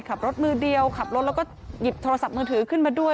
ขับรถมือเดียวขับรถแล้วก็หยิบโทรศัพท์มือถือขึ้นมาด้วย